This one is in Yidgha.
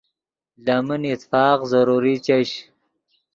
لے من اتفاق ضروری چش